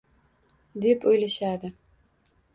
deb o’ylashadi